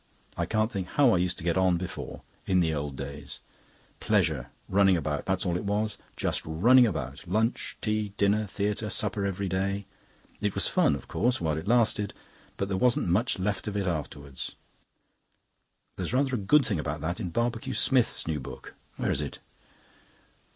I can't think how I used to get on before in the Old Days. Pleasure running about, that's all it was; just running about. Lunch, tea, dinner, theatre, supper every day. It was fun, of course, while it lasted. But there wasn't much left of it afterwards. There's rather a good thing about that in Barbecue Smith's new book. Where is it?"